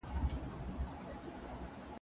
ډیجیټل ټیکنالوژي د سوداګرۍ وخت سپموي.